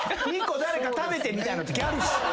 ２個誰か食べてみたいなときあるし。